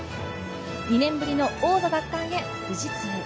２年ぶりの王座奪還へ、富士通。